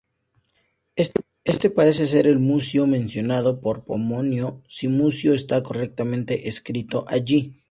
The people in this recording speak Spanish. Este parece ser el Mucio mencionado por Pomponio, si Mucio está correctamente escrito allí.